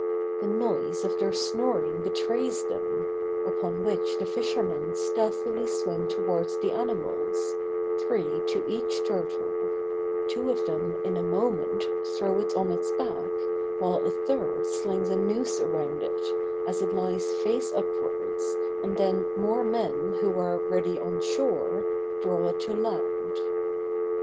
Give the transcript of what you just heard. The noise of their snoring betrays them, upon which the fishermen stealthily swim towards the animals, three to each turtle; two of them, in a moment, throw it on its back, while a third slings a noose around it, as it lies face upwards, and then more men who are ready on shore, draw it to land.